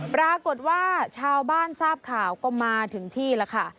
ปรากฏว่าชาวบ้านทราบข่าวก็มาถึงที่แล้วค่ะ